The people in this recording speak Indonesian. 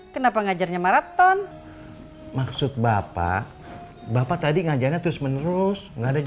kenapa ngajarnya maraton maksud bapak bapak tadi ngajarnya terus menerus enggak ada jeda